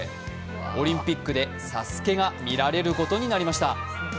オリンピックで「ＳＡＳＵＫＥ」が見られることになりました。